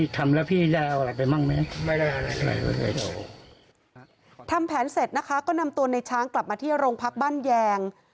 ทำแผนเสร็จนะคะก็นำตัวในช้างกลับมาที่โรงพักบ้านแยง